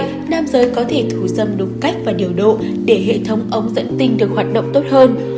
chất lượng của nữ giới có thể thù dâm đúng cách và điều độ để hệ thống ống dẫn tinh được hoạt động tốt hơn